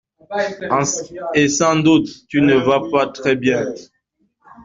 Et sans doute tu ne vas pas très bien.